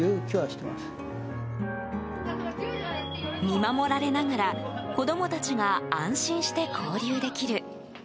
見守られながら子供たちが安心して交流できる。